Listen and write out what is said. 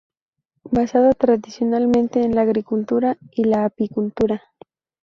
Basada tradicionalmente en la agricultura y la apicultura.